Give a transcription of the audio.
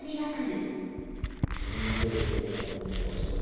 自分に手を振ってるのかと思ったら違ってた。